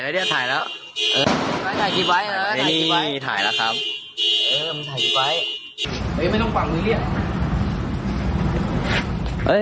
ดิออ